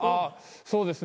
そうですね。